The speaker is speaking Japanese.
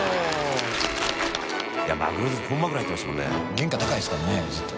原価高いですからね絶対。